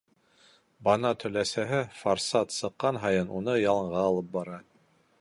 Банат өләсәһе форсат сыҡҡан һайын уны яланға алып бара.